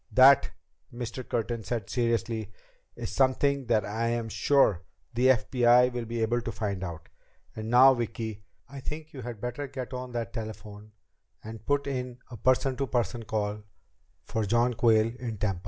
"That," Mr. Curtin said seriously, "is something that I am sure the FBI will be able to find out. And now, Vicki, I think you had better get on that telephone and put in a person to person call for John Quayle in Tampa."